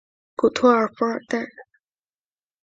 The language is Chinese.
古托尔弗尔代。